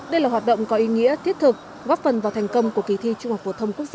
đây là hoạt động có ý nghĩa thiết thực góp phần vào thành công của kỳ thi trung học phổ thông quốc gia